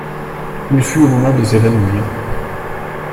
Il fut au moment de s’évanouir.